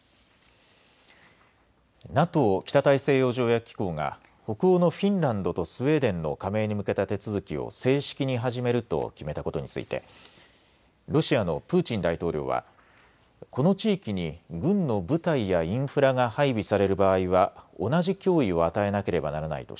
ＮＡＴＯ・北大西洋条約機構が北欧のフィンランドとスウェーデンの加盟に向けた手続きを正式に始めると決めたことについてロシアのプーチン大統領はこの地域に軍の部隊やインフラが配備される場合は同じ脅威を与えなければならないと